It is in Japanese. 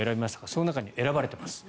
その中に選ばれています。